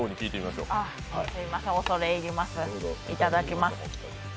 いただきます。